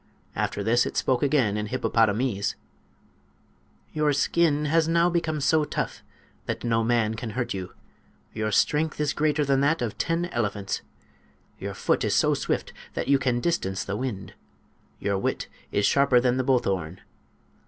After this it spoke again in hippopotamese: "Your skin has now become so tough that no man can hurt you. Your strength is greater than that of ten elephants. Your foot is so swift that you can distance the wind. Your wit is sharper than the bulthorn.